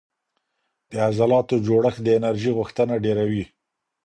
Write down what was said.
د عضلاتو جوړښت د انرژي غوښتنه ډېروي.